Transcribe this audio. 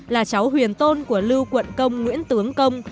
là cháu huyền tôn của lưu quận công nguyễn tướng công